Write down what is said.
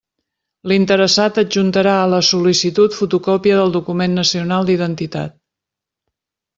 L'interessat adjuntarà a la sol·licitud fotocòpia del document nacional d'identitat.